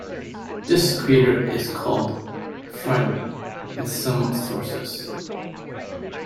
This crater is called Friedmann in some sources.